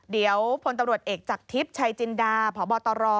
เดี๋ยวพลตำรวจเอกจากทิพย์ชัยจินดาพบตร